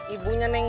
ibu sudah menelepon